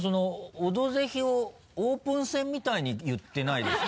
「オドぜひ」をオープン戦みたいに言ってないですか？